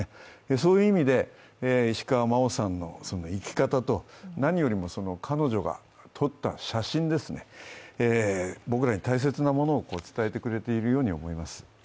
そういう意味で、石川真生さんの生き方と何よりも彼女が撮った写真、僕らに大切なものを伝えてくれているように思います。